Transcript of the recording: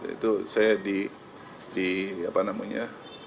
itu saya di apa namanya